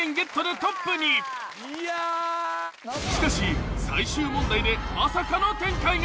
［しかし最終問題でまさかの展開が］